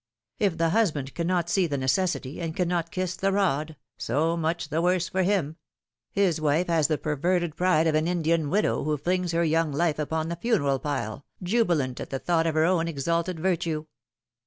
If the husband cannot see the necessity, and cannot kiss the rod, so much the worse for him. His wife has the perverted pride of an Indian widow who flings her young life upon the funeral pile, jubilant at the thought of her own exalted virtue."